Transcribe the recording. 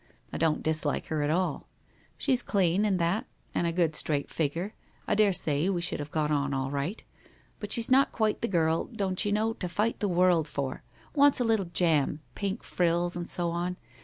I don't dislike her at all. She's clean and that, and a good straight figure, 1 daresay we should have got on all right. Bui she's not <i nitl '* MP £ irl ^ 0TL '^. vou know, *° fight the world for— wants a little jam— pink frills and so on.